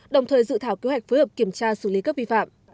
đồng thời dự thảo kế hoạch phối hợp kiểm tra xử lý các vi phạm